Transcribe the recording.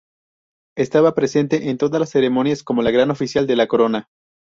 Estaba presente en todas las ceremonias como Gran Oficial de la Corona.